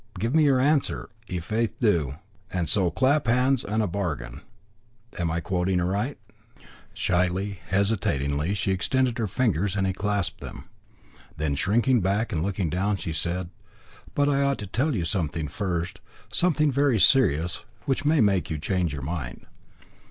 Give me your answer; i' faith, do: and so clap hands and a bargain.' Am I quoting aright?" Shyly, hesitatingly, she extended her fingers, and he clasped them. Then, shrinking back and looking down, she said: "But I ought to tell you something first, something very serious, which may make you change your mind.